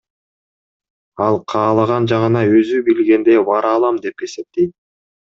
Ал каалаган жагына өзү билгендей бара алам деп эсептейт.